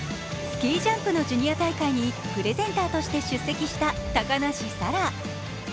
スキージャンプのジュニア大会にプレゼンターとして出席した高梨沙羅。